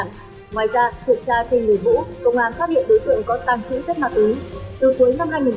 ngoài ra thuộc tra trên người vũ công an phát hiện đối tượng có tăng chữ chất mạc ứng